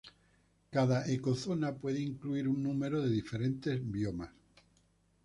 Cada ecozona puede incluir un número de diferentes biomas.